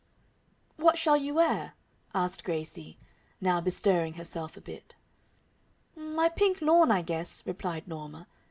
"What shall you wear?" asked Gracie, now bestirring herself a bit. "My pink lawn, I guess," replied Norma.